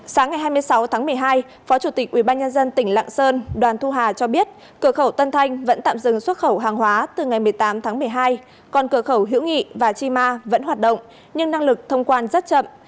sáng ngày hai mươi sáu tháng một mươi hai phó chủ tịch ubnd tỉnh lạng sơn đoàn thu hà cho biết cửa khẩu tân thanh vẫn tạm dừng xuất khẩu hàng hóa từ ngày một mươi tám tháng một mươi hai còn cửa khẩu hữu nghị và chi ma vẫn hoạt động nhưng năng lực thông quan rất chậm